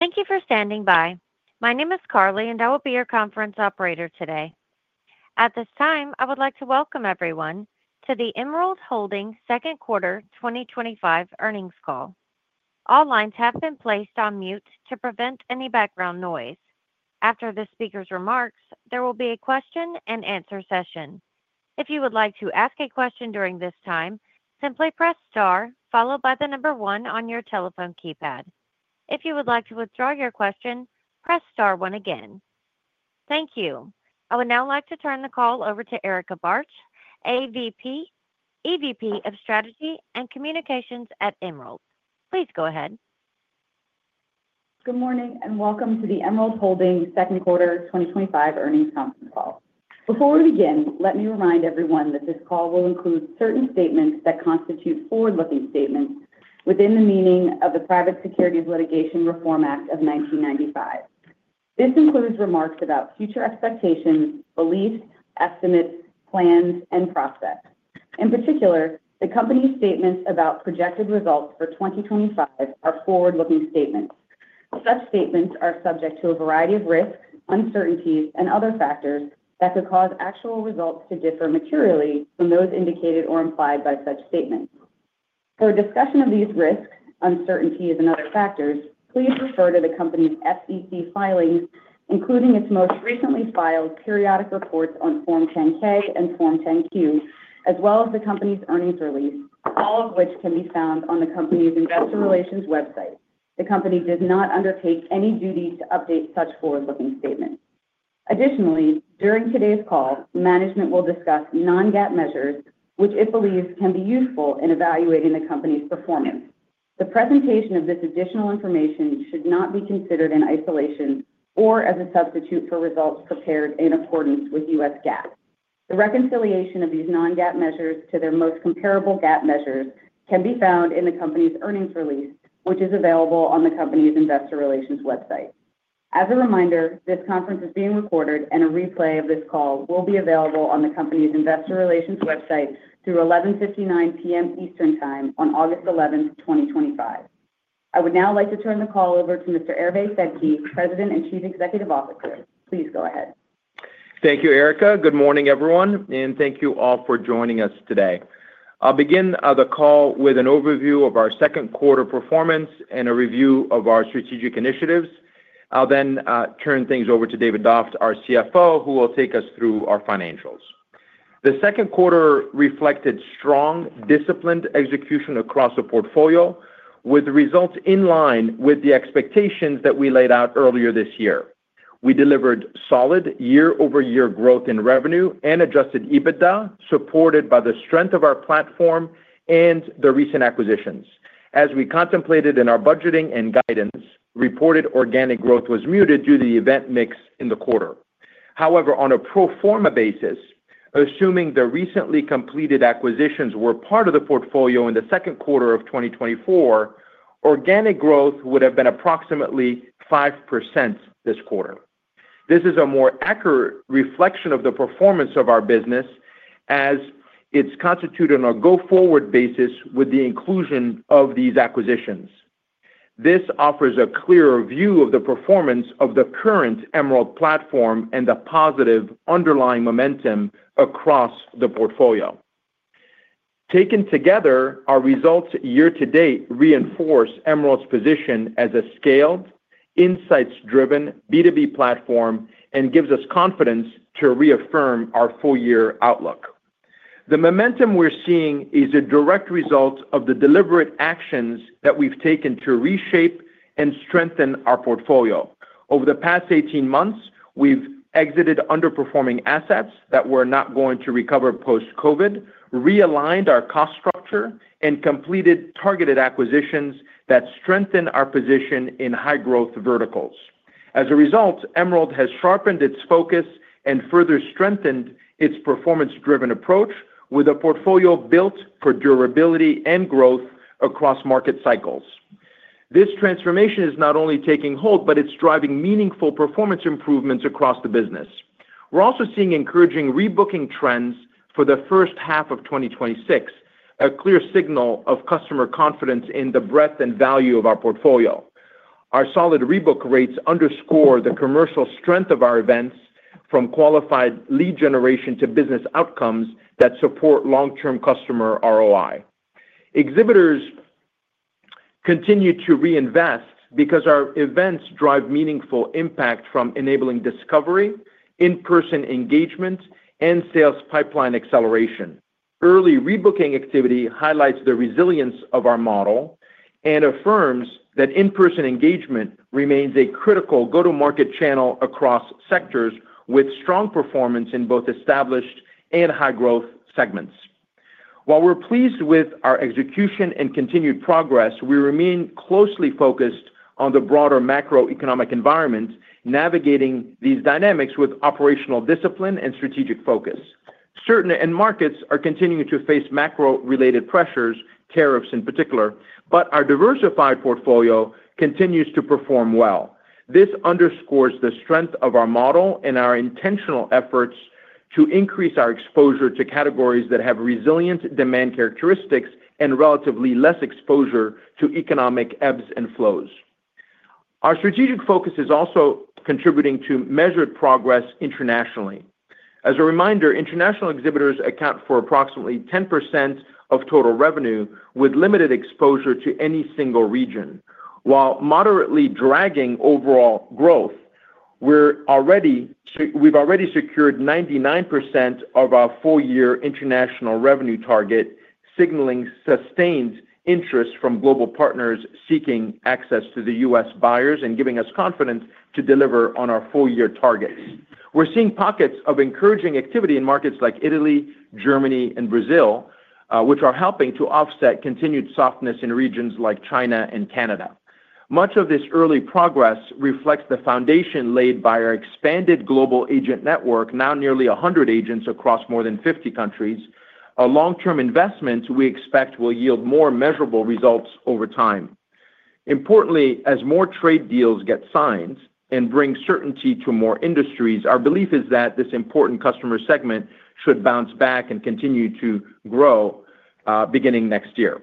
Thank you for standing by. My name is Carly, and I will be your conference operator today. At this time, I would like to welcome everyone to the Emerald Holding Inc. second quarter 2025 earnings call. All lines have been placed on mute to prevent any background noise. After the speaker's remarks, there will be a question and answer session. If you would like to ask a question during this time, simply press star followed by the number one on your telephone keypad. If you would like to withdraw your question, press star one again. Thank you. I would now like to turn the call over to Erica Bartsch, EVP of Strategy and Communications at Emerald Holding Inc. Please go ahead. Good morning and welcome to the Emerald Holding second quarter 2025 earnings conference call. Before we begin, let me remind everyone that this call will include certain statements that constitute forward-looking statements within the meaning of the Private Securities Litigation Reform Act of 1995. This includes remarks about future expectations, beliefs, estimates, plans, and prospects. In particular, the company's statements about projected results for 2025 are forward-looking statements. Such statements are subject to a variety of risks, uncertainties, and other factors that could cause actual results to differ materially from those indicated or implied by such statements. For a discussion of these risks, uncertainties, and other factors, please refer to the company's SEC filings, including its most recently filed periodic reports on Form 10-K and Form 10-Q, as well as the company's earnings release, all of which can be found on the company's investor relations website. The company does not undertake any duty to update such forward-looking statements. Additionally, during today's call, management will discuss non-GAAP measures, which it believes can be useful in evaluating the company's performance. The presentation of this additional information should not be considered in isolation or as a substitute for results prepared in accordance with U.S. GAAP. The reconciliation of these non-GAAP measures to their most comparable GAAP measures can be found in the company's earnings release, which is available on the company's investor relations website. As a reminder, this conference is being recorded, and a replay of this call will be available on the company's investor relations website through 11:59 P.M. Eastern Time on August 11th, 2025. I would now like to turn the call over to Mr. Hervé Sedky, President and Chief Executive Officer. Please go ahead. Thank you, Erica. Good morning, everyone, and thank you all for joining us today. I'll begin the call with an overview of our second quarter performance and a review of our strategic initiatives. I'll then turn things over to David Doft, our CFO, who will take us through our financials. The second quarter reflected strong, disciplined execution across the portfolio, with results in line with the expectations that we laid out earlier this year. We delivered solid year-over-year growth in revenue and adjusted EBITDA, supported by the strength of our platform and the recent acquisitions. As we contemplated in our budgeting and guidance report, organic growth was muted due to the event mix in the quarter. However, on a pro forma basis, assuming the recently completed acquisitions were part of the portfolio in the second quarter of 2024, organic growth would have been approximately 5% this quarter. This is a more accurate reflection of the performance of our business, as it's constituted on a go-forward basis with the inclusion of these acquisitions. This offers a clearer view of the performance of the current Emerald platform and the positive underlying momentum across the portfolio. Taken together, our results year to date reinforce Emerald's position as a scaled, insights-driven B2B platform and gives us confidence to reaffirm our full-year outlook. The momentum we're seeing is a direct result of the deliberate actions that we've taken to reshape and strengthen our portfolio. Over the past 18 months, we've exited underperforming assets that were not going to recover post-COVID, realigned our cost structure, and completed targeted acquisitions that strengthen our position in high-growth verticals. As a result, Emerald has sharpened its focus and further strengthened its performance-driven approach, with a portfolio built for durability and growth across market cycles. This transformation is not only taking hold, but it's driving meaningful performance improvements across the business. We're also seeing encouraging rebooking trends for the first half of 2026, a clear signal of customer confidence in the breadth and value of our portfolio. Our solid rebook rates underscore the commercial strength of our events, from qualified lead generation to business outcomes that support long-term customer ROI. Exhibitors continue to reinvest because our events drive meaningful impact from enabling discovery, in-person engagement, and sales pipeline acceleration. Early rebooking activity highlights the resilience of our model and affirms that in-person engagement remains a critical go-to-market channel across sectors with strong performance in both established and high-growth segments. While we're pleased with our execution and continued progress, we remain closely focused on the broader macroeconomic environment, navigating these dynamics with operational discipline and strategic focus. Certain markets are continuing to face macro-related pressures, tariffs in particular, but our diversified portfolio continues to perform well. This underscores the strength of our model and our intentional efforts to increase our exposure to categories that have resilient demand characteristics and relatively less exposure to economic ebbs and flows. Our strategic focus is also contributing to measured progress internationally. As a reminder, international exhibitors account for approximately 10% of total revenue, with limited exposure to any single region. While moderately dragging overall growth, we've already secured 99% of our full-year international revenue target, signaling sustained interest from global partners seeking access to the U.S. buyers and giving us confidence to deliver on our full-year targets. We're seeing pockets of encouraging activity in markets like Italy, Germany, and Brazil, which are helping to offset continued softness in regions like China and Canada. Much of this early progress reflects the foundation laid by our expanded global agent network, now nearly 100 agents across more than 50 countries. Our long-term investments we expect will yield more measurable results over time. Importantly, as more trade deals get signed and bring certainty to more industries, our belief is that this important customer segment should bounce back and continue to grow beginning next year.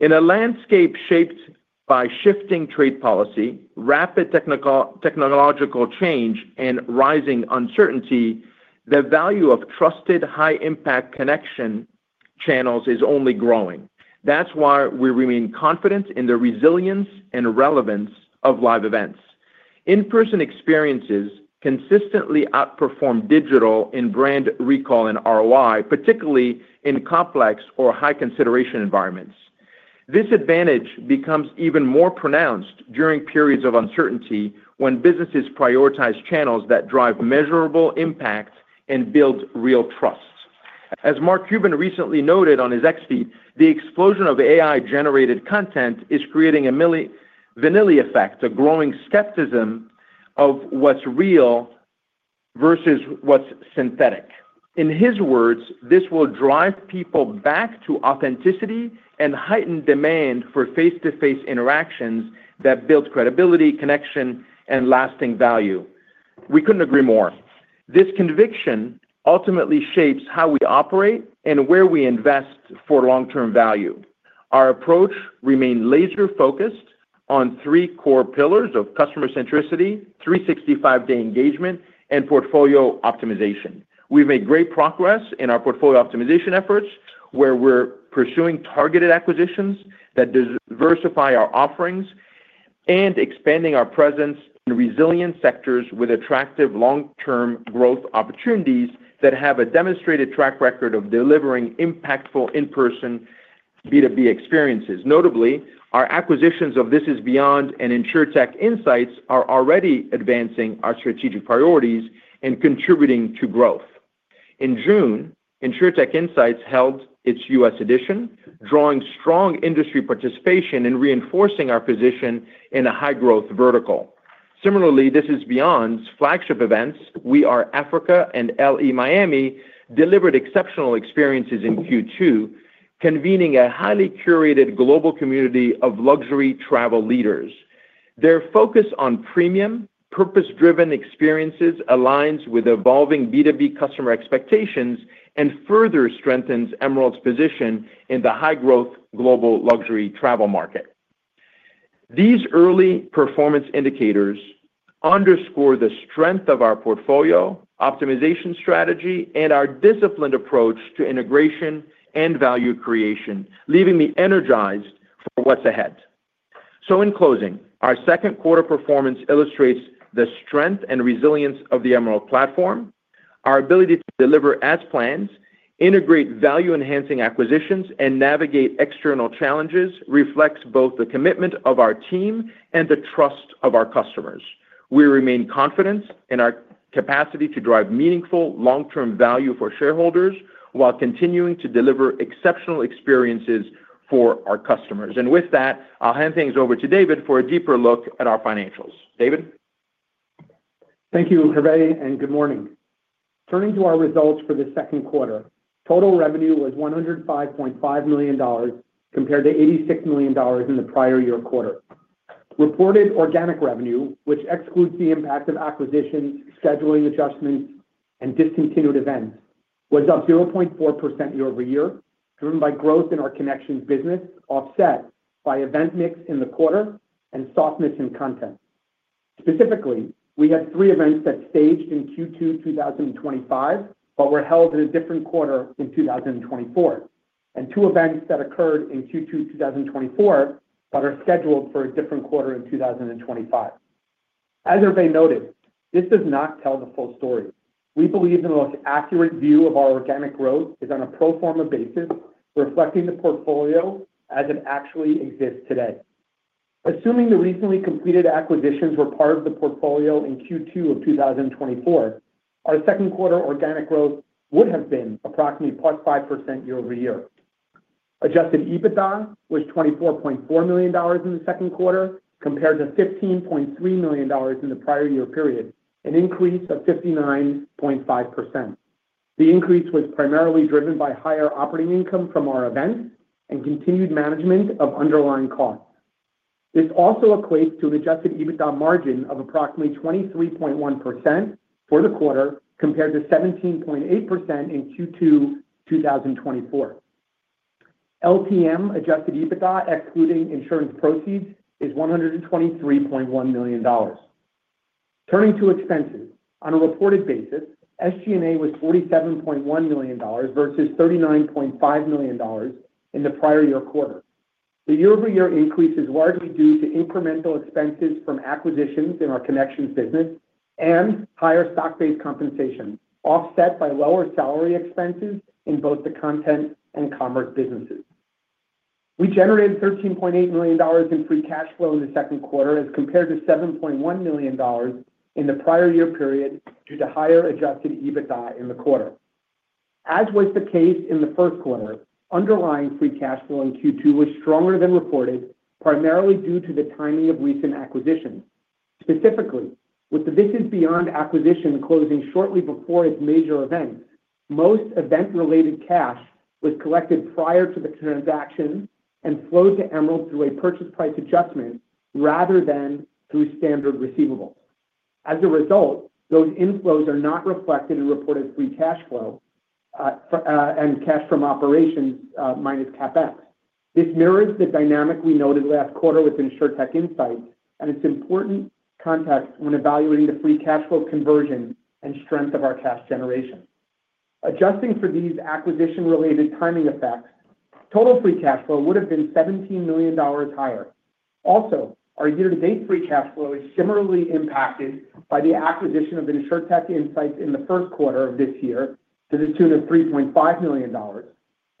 In a landscape shaped by shifting trade policy, rapid technological change, and rising uncertainty, the value of trusted, high-impact connection channels is only growing. That's why we remain confident in the resilience and relevance of live events. In-person experiences consistently outperform digital in brand recall and ROI, particularly in complex or high-consideration environments. This advantage becomes even more pronounced during periods of uncertainty when businesses prioritize channels that drive measurable impact and build real trust. As Mark Cuban recently noted on his X feed, the explosion of AI-generated content is creating a vanilla effect, a growing skepticism of what's real versus what's synthetic. In his words, this will drive people back to authenticity and heighten demand for face-to-face interactions that build credibility, connection, and lasting value. We couldn't agree more. This conviction ultimately shapes how we operate and where we invest for long-term value. Our approach remains laser-focused on three core pillars of customer centricity, 365-day engagement, and portfolio optimization. We've made great progress in our portfolio optimization efforts, where we're pursuing targeted acquisitions that diversify our offerings and expanding our presence in resilient sectors with attractive long-term growth opportunities that have a demonstrated track record of delivering impactful in-person B2B experiences. Notably, our acquisitions of This Is Beyond and Insurtech Insights are already advancing our strategic priorities and contributing to growth. In June, Insurtech Insights held its U.S. edition, drawing strong industry participation and reinforcing our position in a high-growth vertical. Similarly, This Is Beyond's flagship events, We Are Africa and L.E./Miami, delivered exceptional experiences in Q2, convening a highly curated global community of luxury travel leaders. Their focus on premium, purpose-driven experiences aligns with evolving B2B customer expectations and further strengthens Emerald's position in the high-growth global luxury travel market. These early performance indicators underscore the strength of our portfolio optimization strategy and our disciplined approach to integration and value creation, leaving me energized for what's ahead. In closing, our second quarter performance illustrates the strength and resilience of the Emerald platform. Our ability to deliver as planned, integrate value-enhancing acquisitions, and navigate external challenges reflects both the commitment of our team and the trust of our customers. We remain confident in our capacity to drive meaningful long-term value for shareholders while continuing to deliver exceptional experiences for our customers. With that, I'll hand things over to David for a deeper look at our financials. David? Thank you, Hervé, and good morning. Turning to our results for the second quarter, total revenue was $105.5 million compared to $86 million in the prior year quarter. Reported organic revenue, which excludes the impact of acquisitions, scheduling adjustments, and discontinued events, was up 0.4% year-over-year, driven by growth in our connection business, offset by event mix in the quarter and softness in content. Specifically, we had three events that staged in Q2 2025 but were held in a different quarter in 2024, and two events that occurred in Q2 2024 but are scheduled for a different quarter in 2025. As Hervé noted, this does not tell the full story. We believe the most accurate view of our organic growth is on a pro forma basis, reflecting the portfolio as it actually exists today. Assuming the recently completed acquisitions were part of the portfolio in Q2 of 2024, our second quarter organic growth would have been approximately +5% year-over-year. Adjusted EBITDA was $24.4 million in the second quarter compared to $15.3 million in the prior year period, an increase of 59.5%. The increase was primarily driven by higher operating income from our events and continued management of underlying costs. This also equates to an adjusted EBITDA margin of approximately 23.1% for the quarter compared to 17.8% in Q2 2024. LTM adjusted EBITDA excluding insurance proceeds is $123.1 million. Turning to expenses, on a reported basis, SG&A was $47.1 million versus $39.5 million in the prior year quarter. The year-over-year increase is largely due to incremental expenses from acquisitions in our connection business and higher stock-based compensation, offset by lower salary expenses in both the content and commerce businesses. We generated $13.8 million in free cash flow in the second quarter as compared to $7.1 million in the prior year period due to higher adjusted EBITDA in the quarter. As was the case in the first quarter, underlying free cash flow in Q2 was stronger than reported, primarily due to the timing of recent acquisitions. Specifically, with the This Is Beyond acquisition closing shortly before its major event, most event-related cash was collected prior to the transaction and flowed to Emerald through a purchase price adjustment rather than through standard receivables. As a result, those inflows are not reflected in reported free cash flow and cash from operations minus CapEx. This mirrors the dynamic we noted last quarter with Insurtech Insights, and it's important context when evaluating the free cash flow conversion and strength of our cash generation. Adjusting for these acquisition-related timing effects, total free cash flow would have been $17 million higher. Also, our year-to-date free cash flow is similarly impacted by the acquisition of Insurtech Insights in the first quarter of this year to the tune of $3.5 million,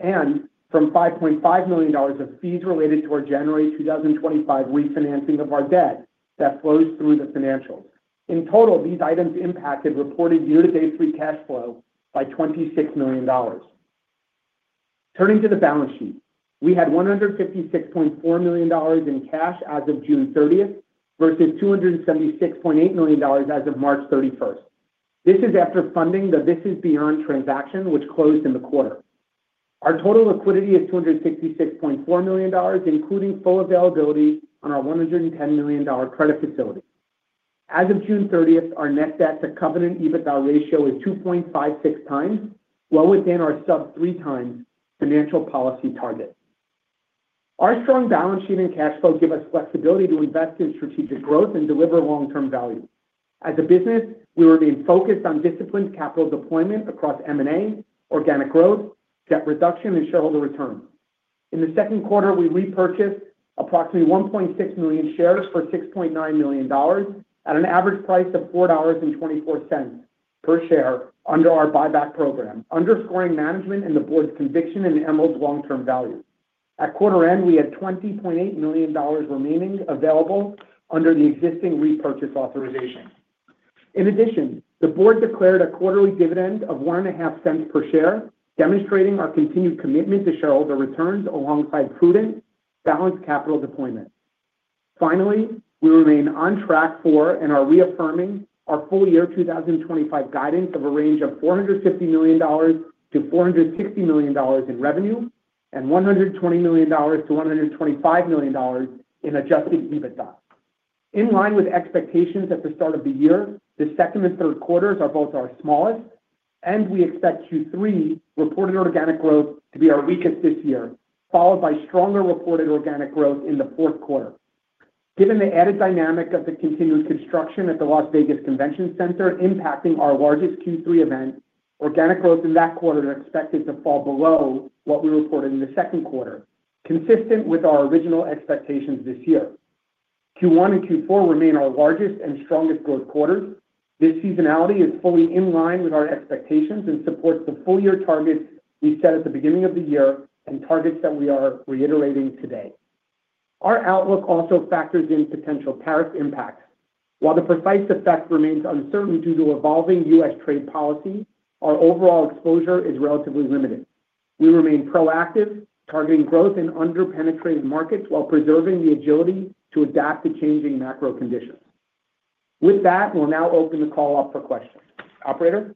and from $5.5 million of fees related to our January 2025 refinancing of our debt that flows through the financials. In total, these items impacted reported year-to-date free cash flow by $26 million. Turning to the balance sheet, we had $156.4 million in cash as of June 30th versus $276.8 million as of March 31st. This is after funding the This Is Beyond transaction, which closed in the quarter. Our total liquidity is $266.4 million, including full availability on our $110 million credit facility. As of June 30th, our net debt to Covenant EBITDA ratio is 2.56 times, well within our sub-three-time financial policy target. Our strong balance sheet and cash flow give us flexibility to invest in strategic growth and deliver long-term value. As a business, we remain focused on disciplined capital deployment across M&A, organic growth, debt reduction, and shareholder returns. In the second quarter, we repurchased approximately 1.6 million shares for $6.9 million at an average price of $4.24 per share under our buyback program, underscoring management and the board's conviction in Emerald's long-term value. At quarter end, we had $20.8 million remaining available under the existing repurchase authorization. In addition, the board declared a quarterly dividend of $0.01 per share, demonstrating our continued commitment to shareholder returns alongside prudent balanced capital deployment. Finally, we remain on track for and are reaffirming our full-year 2025 guidance of a range of $450 million-$460 million in revenue and $120 million-$125 million in adjusted EBITDA. In line with expectations at the start of the year, the second and third quarters are both our smallest, and we expect Q3 reported organic growth to be our weakest this year, followed by stronger reported organic growth in the fourth quarter. Given the added dynamic of the continuous construction at the Las Vegas Convention Center, impacting our largest Q3 event, organic growth in that quarter is expected to fall below what we reported in the second quarter, consistent with our original expectations this year. Q1 and Q4 remain our largest and strongest growth quarters. This seasonality is fully in line with our expectations and supports the full-year targets we set at the beginning of the year and targets that we are reiterating today. Our outlook also factors in potential tariff impacts. While the precise effect remains uncertain due to evolving U.S. trade policy, our overall exposure is relatively limited. We remain proactive, targeting growth in underpenetrated markets while preserving the agility to adapt to changing macro conditions. With that, we'll now open the call up for questions. Operator?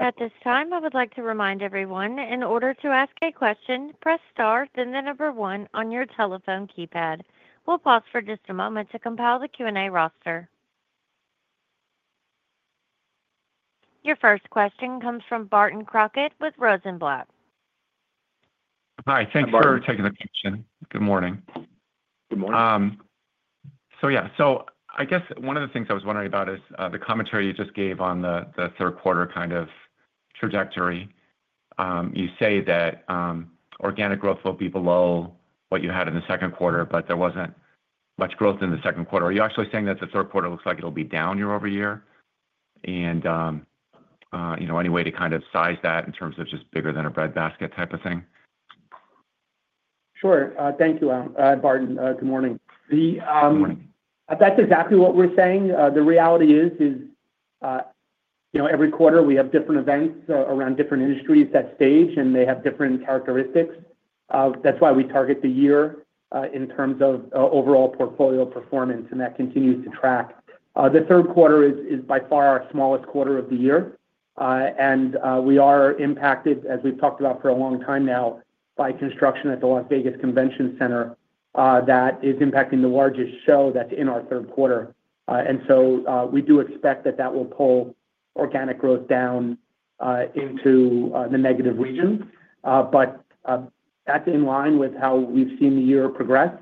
At this time, I would like to remind everyone, in order to ask a question, press star, then the number one on your telephone keypad. We'll pause for just a moment to compile the Q&A roster. Your first question comes from Barton Crockett with Rosenblatt. Hi, thanks for taking the question. Good morning. Good morning. I guess one of the things I was wondering about is the commentary you just gave on the third quarter kind of trajectory. You say that organic growth will be below what you had in the second quarter, but there wasn't much growth in the second quarter. Are you actually saying that the third quarter looks like it'll be down year-over- year? Any way to kind of size that in terms of just bigger than a breadbasket type of thing? Sure. Thank you, Barton. Good morning. Morning. That's exactly what we're saying. The reality is, you know, every quarter we have different events around different industries that stage, and they have different characteristics. That's why we target the year in terms of overall portfolio performance, and that continues to track. The third quarter is by far our smallest quarter of the year. We are impacted, as we've talked about for a long time now, by construction at the Las Vegas Convention Center that is impacting the largest show that's in our third quarter. We do expect that that will pull organic growth down into the negative region. That's in line with how we've seen the year progress.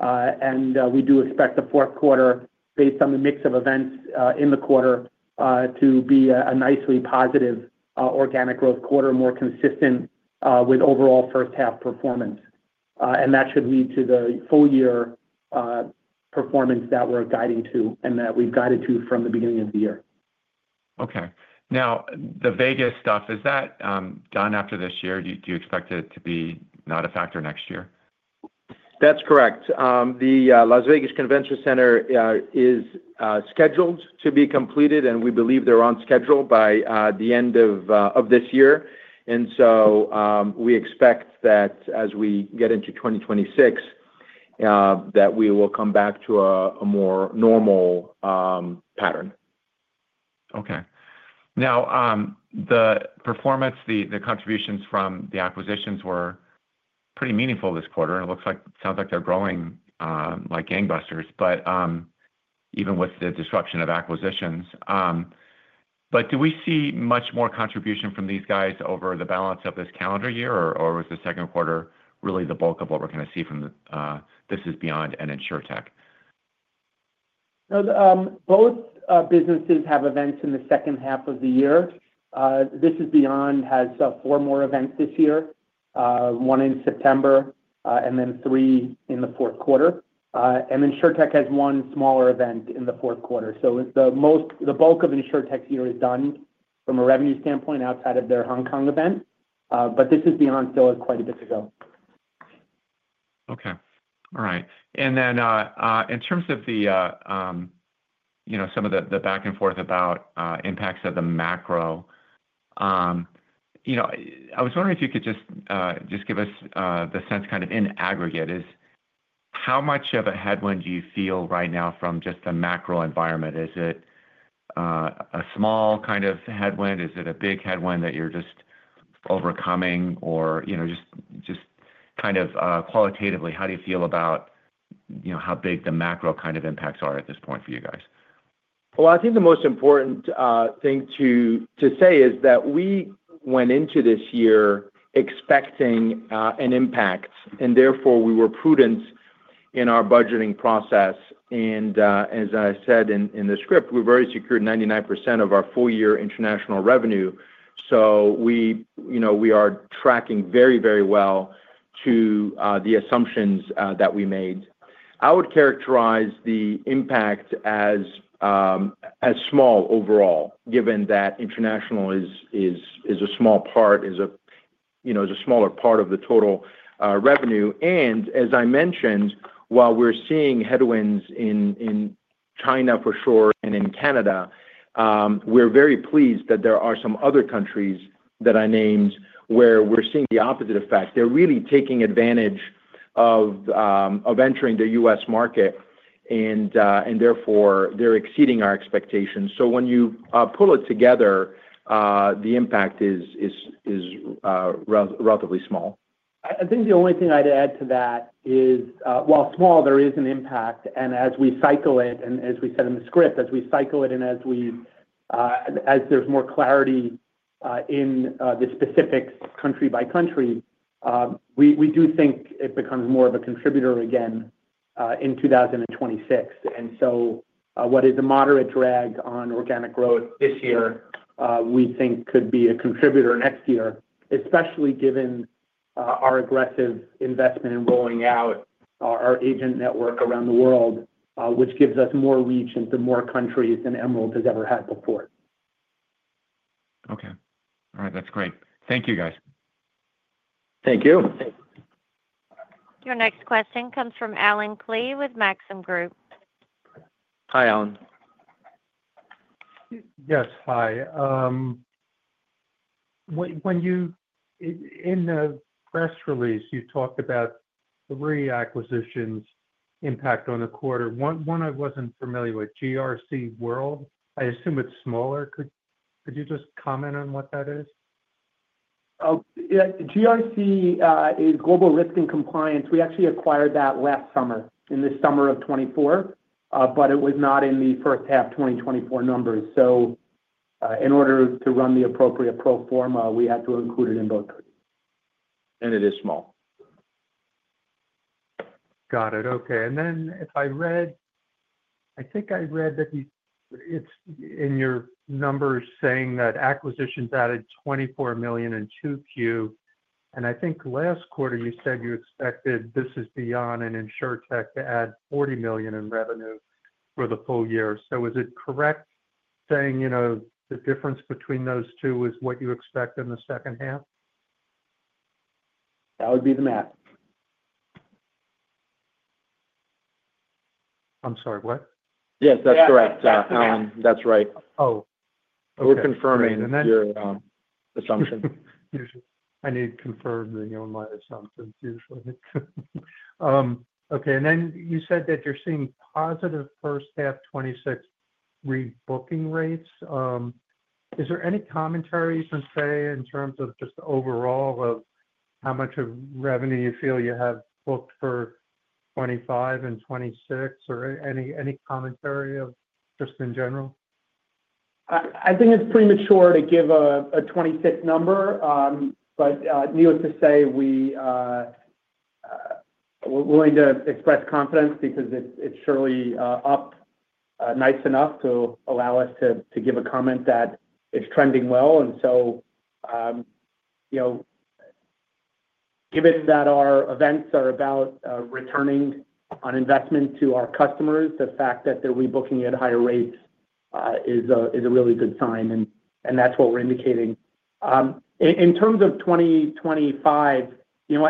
We do expect the fourth quarter, based on the mix of events in the quarter, to be a nicely positive organic growth quarter, more consistent with overall first-half performance. That should lead to the full-year performance that we're guiding to and that we've guided to from the beginning of the year. Okay. Now, the Vegas stuff, is that done after this year? Do you expect it to be not a factor next year? That's corBarton CrockettBarton Crockettrect. The Las Vegas Convention Center is scheduled to be completed, and we believe they're on schedule by the end of this year. We expect that as we get into 2026, we will come back to a more normal pattern. Okay. Now, the performance, the contributions from the acquisitions were pretty meaningful this quarter. It sounds like they're growing like gangbusters, even with the disruption of acquisitions. Do we see much more contribution from these guys over the balance of this calendar year, or is the second quarter really the bulk of what we're going to see from This Is Beyond and Insurtech Insights? Both businesses have events in the second half of the year. This Is Beyond has four more events this year, one in September, and three in the fourth quarter. Insurtech Insights has one smaller event in the fourth quarter. The bulk of Insurtech Insights' year is done from a revenue standpoint outside of their Hong Kong event. This Is Beyond still has quite a bit to go. All right. In terms of the back and forth about impacts of the macro, I was wondering if you could just give us the sense kind of in aggregate, how much of a headwind do you feel right now from just the macro environment? Is it a small kind of headwind? Is it a big headwind that you're just overcoming? Qualitatively, how do you feel about how big the macro impacts are at this point for you guys? I think the most important thing to say is that we went into this year expecting an impact, and therefore we were prudent in our budgeting process. As I said in the script, we're very secure in 99% of our full-year international revenue. We are tracking very, very well to the assumptions that we made. I would characterize the impact as small overall, given that international is a smaller part of the total revenue. As I mentioned, while we're seeing headwinds in China for sure and in Canada, we're very pleased that there are some other countries that I named where we're seeing the opposite effect. They're really taking advantage of entering the U.S. market, and therefore they're exceeding our expectations. When you pull it together, the impact is relatively small. I think the only thing I'd add to that is, while small, there is an impact. As we cycle it, and as we said in the script, as we cycle it and as there's more clarity in the specifics country by country, we do think it becomes more of a contributor again in 2026. What is a moderate drag on organic growth this year, we think could be a contributor next year, especially given our aggressive investment in rolling out our agent network around the world, which gives us more reach into more countries than Emerald has ever had before. Okay. All right. That's great. Thank you, guys. Thank you. Your next question comes from Allen Klee with Maxim Group. Hi, Alan. Yes, hi. In the press release, you've talked about three acquisitions' impact on a quarter. One I wasn't familiar with, GRC World Forums. I assume it's smaller. Could you just comment on what that is? World Forums is Global Risk and Compliance. We actually acquired that last summer, in the summer of 2024, but it was not in the first half 2024 numbers. In order to run the appropriate pro forma, we had to include it in both. It is small. Got it. Okay. If I read, I think I read that it's in your numbers saying that acquisitions added $24 million in 2Q. I think last quarter you said you expected This Is Beyond and Insurtech Insights to add $40 million in revenue for the full year. Is it correct saying the difference between those two is what you expect in the second half? That would be the math. I'm sorry, what? Yes, that's correct. Allen, that's right. We're confirming your assumption. Okay. You said that you're seeing positive first half 2026 rebooking rates. Is there any commentary you can say in terms of just overall of how much of revenue you feel you have booked for 2025 and 2026, or any commentary of just in general? I think it's premature to give a 2026 number, but needless to say, we're willing to express confidence because it's surely up nice enough to allow us to give a comment that it's trending well. Given that our events are about returning on investment to our customers, the fact that they're rebooking at higher rates is a really good sign. That's what we're indicating. In terms of 2025,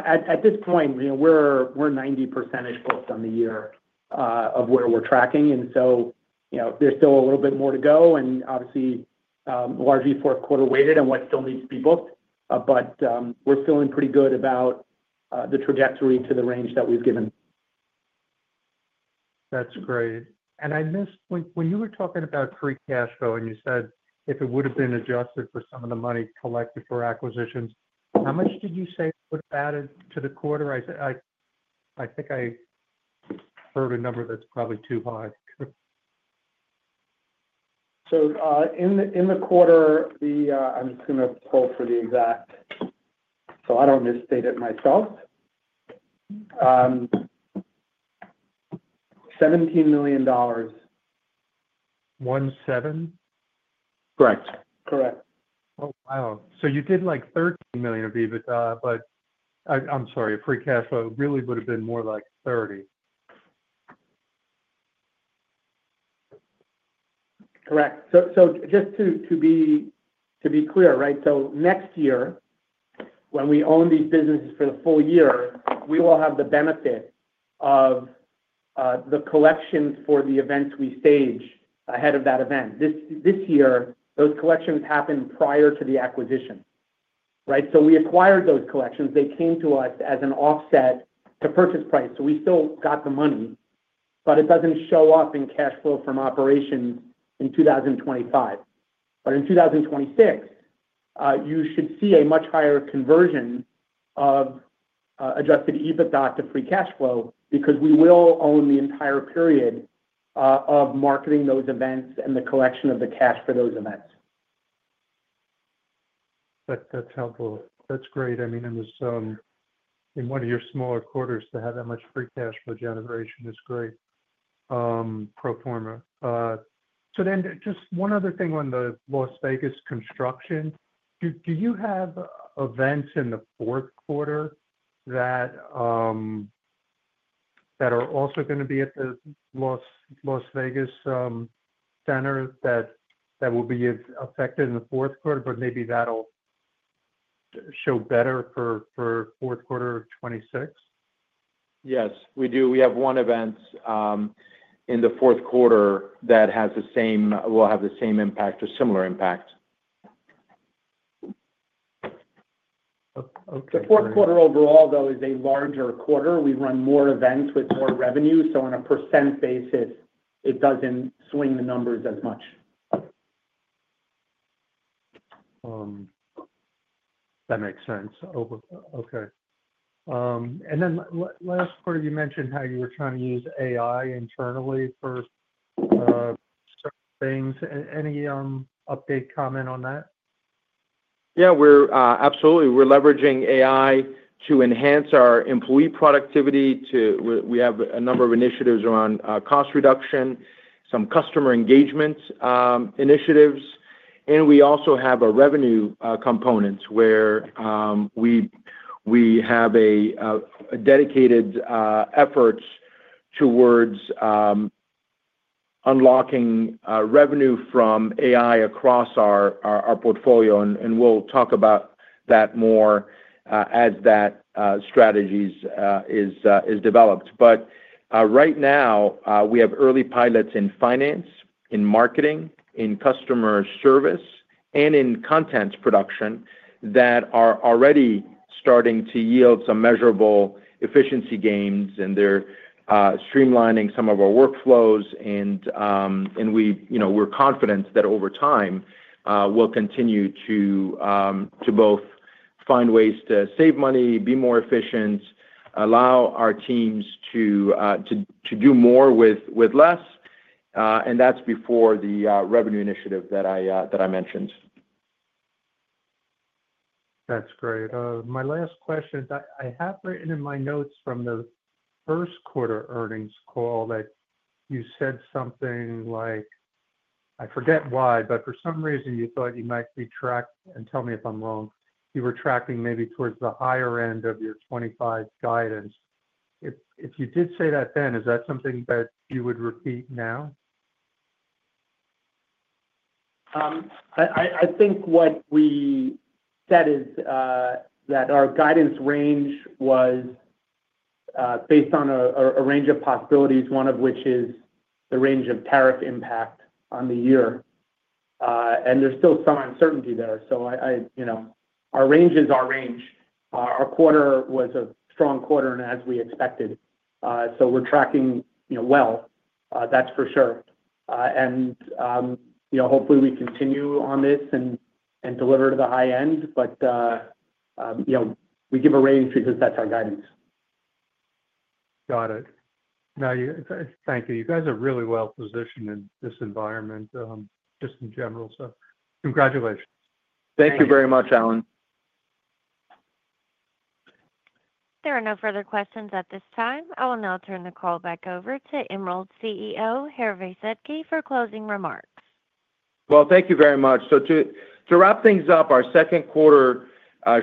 at this point, we're 90%ish booked on the year of where we're tracking. There's still a little bit more to go, and obviously, largely fourth quarter weighted in what still needs to be booked. We're feeling pretty good about the trajectory to the range that we've given. That's great. I missed when you were talking about free cash flow and you said if it would have been adjusted for some of the money collected for acquisitions, how much did you say it would have added to the quarter? I think I heard a number that's probably too high. In the quarter, I'm going to pull for the exact, so I don't misstate it myself, $17.17million.? Correct. Correct. Oh, wow. You did like $13 million of EBITDA, but I'm sorry, free cash flow really would have been more like $30 million. Correct. Just to be clear, right? Next year, when we own these businesses for the full year, we will have the benefit of the collections for the events we stage ahead of that event. This year, those collections happen prior to the acquisition, right? We acquired those collections. They came to us as an offset to purchase price. We still got the money, but it doesn't show up in cash flow from operations in 2025. In 2026, you should see a much higher conversion of adjusted EBITDA to free cash flow because we will own the entire period of marketing those events and the collection of the cash for those events. That's helpful. That's great. I mean, in one of your smaller quarters to have that much free cash flow generation is great, pro forma. Just one other thing on the Las Vegas Convention Center construction. Do you have events in the fourth quarter that are also going to be at the Las Vegas Convention Center that will be affected in the fourth quarter, but maybe that'll show better for fourth quarter 2026? Yes, we do. We have one event in the fourth quarter that will have the same or similar impact. Okay. The fourth quarter overall, though, is a larger quarter. We run more events with more revenue, so on a % basis, it doesn't swing the numbers as much. That makes sense. Okay. Last quarter, you mentioned how you were trying to use AI internally for certain things. Any update comment on that? Yeah, absolutely. We're leveraging AI to enhance our employee productivity. We have a number of initiatives around cost reduction, some customer engagement initiatives, and we also have a revenue component where we have a dedicated effort towards unlocking revenue from AI across our portfolio. We'll talk about that more as that strategy is developed. Right now, we have early pilots in finance, in marketing, in customer service, and in content production that are already starting to yield some measurable efficiency gains. They're streamlining some of our workflows. We're confident that over time, we'll continue to both find ways to save money, be more efficient, allow our teams to do more with less. That's before the revenue initiative that I mentioned. That's great. My last question, I have written in my notes from the first quarter earnings call that you said something like, I forget why, but for some reason, you thought you might be tracked, and tell me if I'm wrong. You were tracking maybe towards the higher end of your 2025 guidance. If you did say that then, is that something that you would repeat now? I think what we said is that our guidance range was based on a range of possibilities, one of which is the range of tariff impact on the year. There's still some uncertainty there. Our range is our range. Our quarter was a strong quarter and as we expected. We're tracking well, that's for sure. Hopefully, we continue on this and deliver to the high end. We give a range because that's our guidance. Got it. Thank you. You guys are really well positioned in this environment, just in general. Congratulations. Thank you very much, Allen. There are no further questions at this time. I will now turn the call back over to Emerald CEO Hervé Sedky for closing remarks. Thank you very much. To wrap things up, our second quarter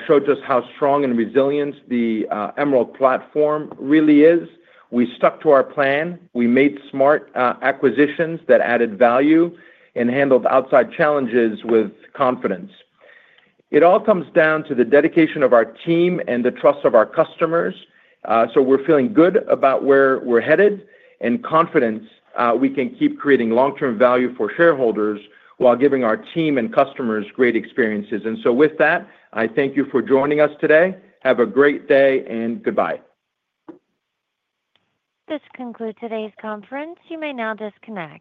showed just how strong and resilient the Emerald platform really is. We stuck to our plan, made smart acquisitions that added value, and handled outside challenges with confidence. It all comes down to the dedication of our team and the trust of our customers. We're feeling good about where we're headed and confident we can keep creating long-term value for shareholders while giving our team and customers great experiences. With that, I thank you for joining us today. Have a great day and goodbye. This concludes today's conference. You may now disconnect.